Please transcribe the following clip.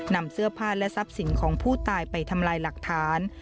นำเสื้อผ้าและทรัพย์สินของผู้ตายไปทำลายหลักฐาน